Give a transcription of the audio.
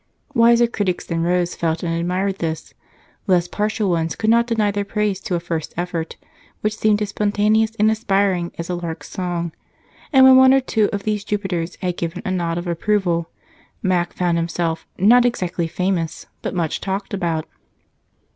Wiser critics than Rose felt and admired this; less partial ones could not deny their praise to a first effort, which seemed as spontaneous and aspiring as a lark's song; and, when one or two of these Jupiters had given a nod of approval, Mac found himself, not exactly famous, but much talked about.